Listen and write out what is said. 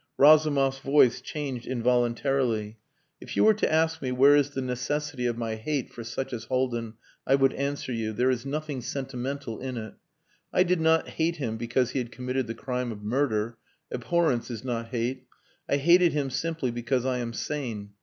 Razumov's voice changed involuntarily. "If you were to ask me where is the necessity of my hate for such as Haldin, I would answer you there is nothing sentimental in it. I did not hate him because he had committed the crime of murder. Abhorrence is not hate. I hated him simply because I am sane.